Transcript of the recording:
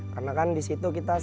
karena kan di situ kita selalu